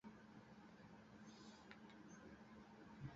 কত লজ্জা, কত ভয়, কত দ্বিধা!